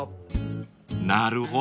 ［なるほど。